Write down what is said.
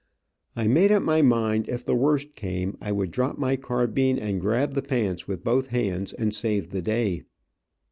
I made up my mind if the worst came, I would drop my carbine and grab the pants with both hands, and save the day.